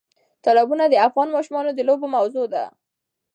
تالابونه د افغان ماشومانو د لوبو موضوع ده.